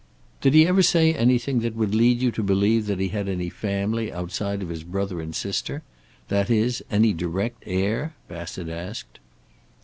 "Did he ever say anything that would lead you to believe that he had any family, outside of his brother and sister? That is, any direct heir?" Bassett asked.